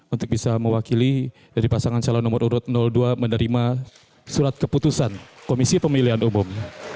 untuk bisa mewakili dari pasangan calon nomor urut dua menerima surat keputusan komisi pemilihan umum